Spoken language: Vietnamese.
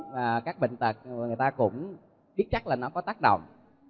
và các bệnh tật người ta cũng biết chắc là nó có tác động